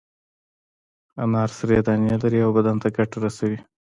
انار سرې دانې لري او بدن ته ګټه رسوي.